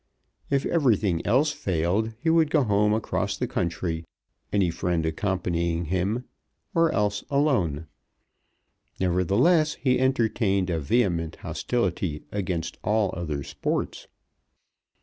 If everything else failed he would go home across the country, any friend accompanying him, or else alone. Nevertheless, he entertained a vehement hostility against all other sports.